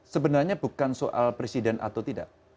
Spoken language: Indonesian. sebenarnya bukan soal presiden atau tidak